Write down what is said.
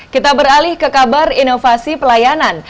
kita beralih ke kabar inovasi pelayanan